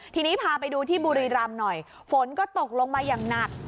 ทีนี้พาไปดูที่บุรีรำหน่อยฝนก็ตกลงมาอย่างหนัก